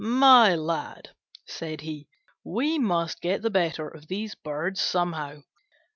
"My lad," said he, "we must get the better of these birds somehow.